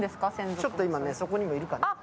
ちょっと今、そこにもいるかな。